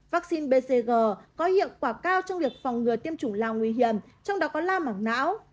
vaccine bcg có hiệu quả cao trong việc phòng ngừa tiêm chủng lào nguy hiểm trong đó có la mảng não